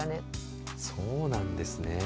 そうなんですね。